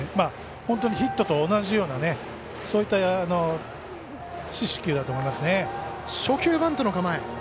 本当にヒットと同じようなそういった四死球だと思いますね。